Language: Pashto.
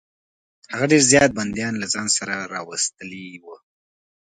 هغه ډېر زیات بندیان له ځان سره راوستلي وه.